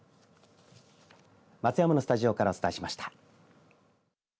松山のスタジオからお伝えしました。